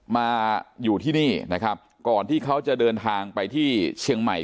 มาอยู่ที่นี่นะครับก่อนที่เขาจะเดินทางไปที่เชียงใหม่